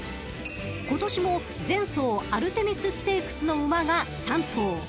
［今年も前走アルテミスステークスの馬が３頭］